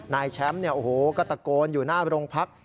นายแชมป์ก็ตะโกนอยู่หน้าโรงพัก